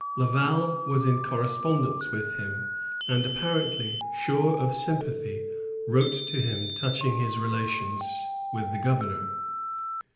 Laval was in corre spondence with him, and, apparently sure of sym pathy, wrote to him touching his relations with the governor.